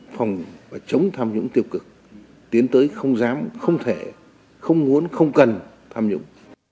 phòng và chống tham nhũng tiêu cực tiến tới không dám không thể không muốn không cần tham nhũng